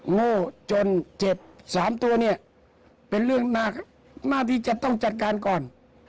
โง่จนเจ็บ๓ตัวเนี่ยเป็นเรื่องน่าที่จะต้องจัดการก่อน